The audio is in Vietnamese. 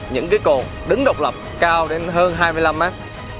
những cái cồn đứng độc lập cao đến hơn hai mươi năm mét